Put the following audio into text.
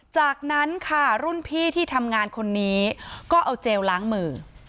จากนั้นค่ะรุ่นพี่ที่ทำงานคนนี้ก็เอาเจลล้างมือ